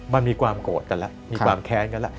มันมีความโกรธกันแล้วมีความแค้นกันแล้ว